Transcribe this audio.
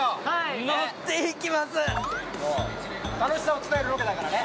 楽しさを伝えるロケだからね